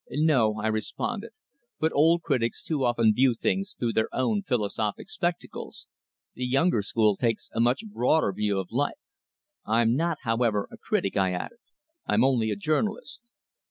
"No," I responded. "But old critics too often view things through their own philosophical spectacles. The younger school take a much broader view of life. I'm not, however, a critic," I added, "I'm only a journalist."